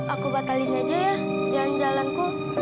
aku batalin aja ya jalan jalanku